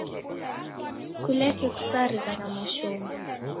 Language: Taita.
Kuleke kusarigha na mashomo.